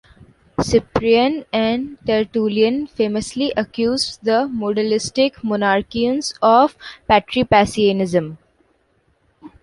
Cyprian and Tertullian famously accused the Modalistic Monarchians of patripassianism.